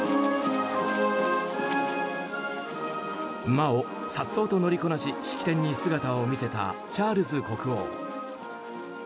馬をさっそうと乗りこなし式典に姿を見せたチャールズ国王。